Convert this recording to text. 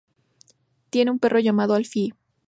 Tiene un perro llamado Alfie.